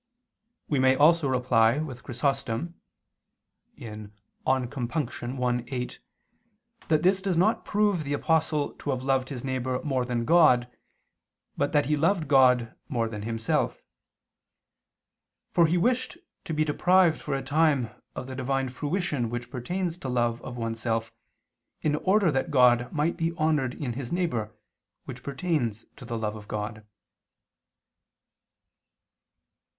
We may also reply, with Chrysostom (De Compunct. i, 8) [*Hom. xvi in Ep. ad Rom.] that this does not prove the Apostle to have loved his neighbor more than God, but that he loved God more than himself. For he wished to be deprived for a time of the Divine fruition which pertains to love of one self, in order that God might be honored in his neighbor, which pertains to the love of God.